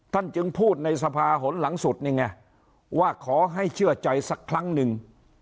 จึงพูดในสภาหนหลังสุดนี่ไงว่าขอให้เชื่อใจสักครั้งหนึ่ง